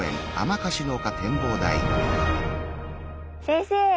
先生